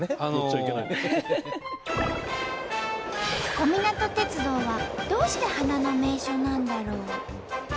小湊鉄道はどうして花の名所なんだろう？